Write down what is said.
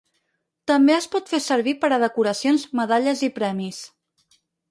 També es pot fer servir per a decoracions, medalles i premis.